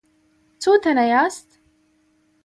څو تنه یاست؟